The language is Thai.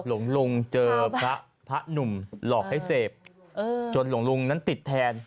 หลงเจอพระหนุ่มหลอกให้เสพจนหลงนั้นติดแทน